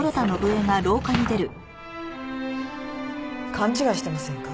勘違いしてませんか？